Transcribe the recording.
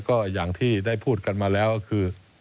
ก็อย่างที่ได้พูดกันมาแล้วก็คือ